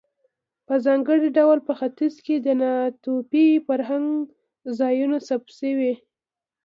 په ځانګړي ډول په ختیځ کې د ناتوفي فرهنګ ځایونه ثبت شوي.